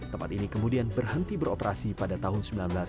tempat ini kemudian berhenti beroperasi pada tahun seribu sembilan ratus sembilan puluh